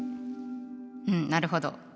うんなるほど。